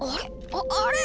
ああれえ？